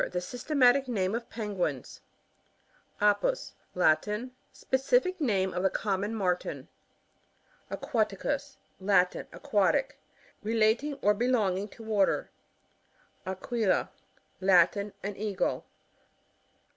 The systematic name of Penguins* Apus. — Latin. Specific name of the common Martin. Aquaticos. — Latin. Aquatic. Rela ting or belonging to water. Aquila. — Latm. An Eagle.